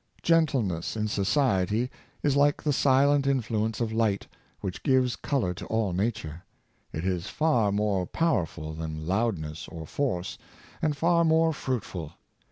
Gentleness in society is like the silent influence of light, which gives color to all nature; it is far more powerful than loudness or force, and far more fruitful.